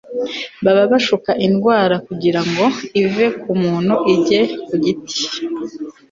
baba bashuka indwara kugira ngo ive ku muntu ijye ku giti